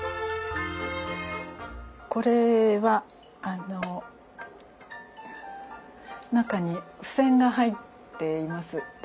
これはあの中に付箋が入っています。